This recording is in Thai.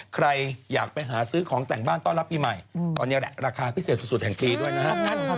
ใครอยากไปหาซื้อของแต่งบ้านต้อนรับปีใหม่ตอนนี้แหละราคาพิเศษสุดแห่งปีด้วยนะครับ